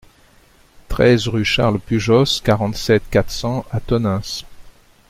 treize rue Charles Pujos, quarante-sept, quatre cents à Tonneins